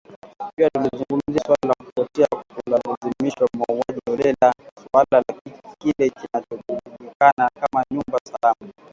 Pia tulizungumzia suala la kupotea kwa kulazimishwa, mauaji holela, suala la kile kinachojulikana kama “nyumba salama".